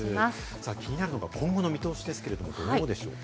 気になるのが今後の見通しですけど、どうでしょうか。